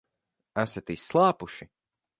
Esat izslāpuši?